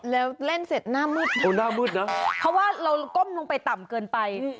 แล้วเล่นเสร็จหน้ามืดเพราะว่าเราก้มลงไปต่ำเกินไป